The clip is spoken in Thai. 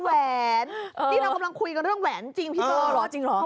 แหวนนี่เรากำลังคุยกันเรื่องแหวนจริงพี่เธอเหรอจริงเหรอ